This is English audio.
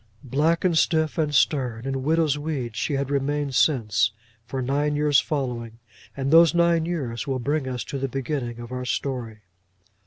Black, and stiff, and stern, in widow's weeds, she had remained since, for nine years following, and those nine years will bring us to the beginning of our story.